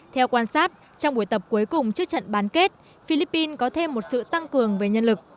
theo quan sát trong buổi tập cuối cùng trước trận bán kết philippines có thêm một sự tăng cường về nhân lực